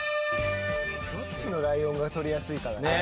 どっちのライオンが取りやすいか。